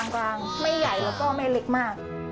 กลางไม่ใหญ่แล้วก็ไม่เล็กมาก